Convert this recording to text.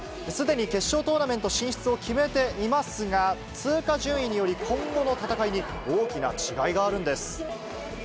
すでに決勝トーナメント進出を決めていますが、通過順位により、今後の戦いに大きな違いがあるんです。